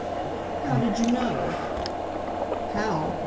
"How did you know?" "How?